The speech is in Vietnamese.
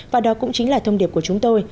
và đó cũng chính là thông điệp của chúng tôi